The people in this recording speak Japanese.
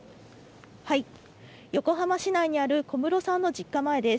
横浜市内にある小室さんの実家前です。